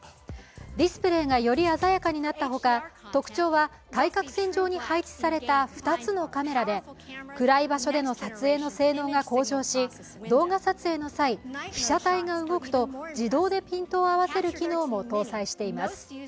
ディスプレーがより鮮やかになった他、特徴は対角線上に配置された２つのカメラで暗い場所での撮影の性能が向上し動画撮影の際、被写体が動くと自動でピントを合わせる機能も搭載しています。